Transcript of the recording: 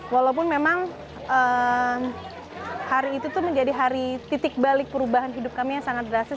walaupun memang hari itu menjadi hari titik balik perubahan hidup kami yang sangat drastis